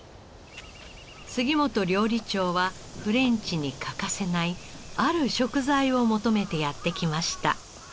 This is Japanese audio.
杉本料理長はフレンチに欠かせないある食材を求めてやって来ました。